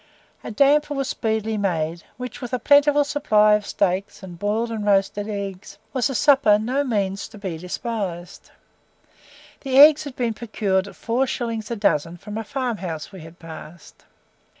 A damper was speedily made, which, with a plentiful supply of steaks and boiled and roasted eggs, was a supper by no means to be despised. The eggs had been procured at four shillings a dozen from a farm house we had passed.